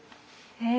え。